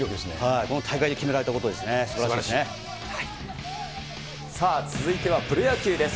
この大会で決められたことで続いてはプロ野球です。